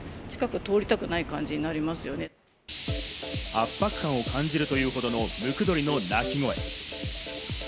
圧迫感を感じるというほどのムクドリの鳴き声。